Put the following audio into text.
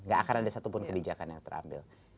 gak akan ada satupun kebijakan yang terambil